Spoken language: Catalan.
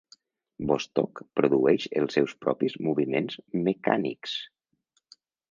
Vostok produeix els seus propis moviments mecànics.